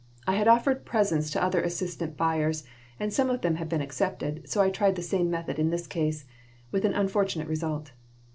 I had offered presents to other assistant buyers and some of them had been accepted, so I tried the same method in this case with an unfortunate result.